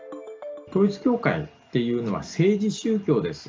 統一教会っていうのは、政治宗教です。